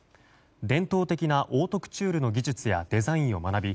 伝統的なオートクチュールの技術やデザインを学び